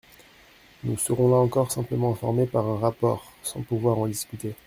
Nous serons, là encore, simplement informés par un rapport sans pouvoir en discuter.